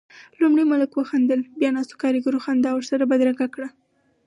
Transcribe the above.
لومړی ملک وخندل، بيا ناستو کاريګرو خندا ورسره بدرګه کړه.